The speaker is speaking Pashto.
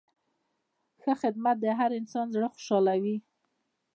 ښه خدمت د هر انسان زړه خوشحالوي.